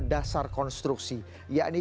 dasar konstruksi yakni